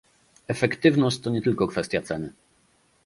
Efektywność to nie tylko kwestia ceny